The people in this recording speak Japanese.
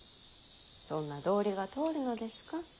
そんな道理が通るのですか？